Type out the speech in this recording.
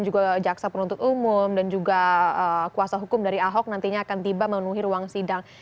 juga jaksa penuntut umum dan juga kuasa hukum dari ahok nantinya akan tiba memenuhi ruang sidang